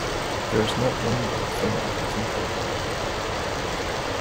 There's not one bad thing I can think of.